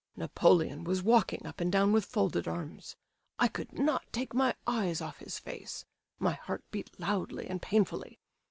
"Napoleon was walking up and down with folded arms. I could not take my eyes off his face—my heart beat loudly and painfully.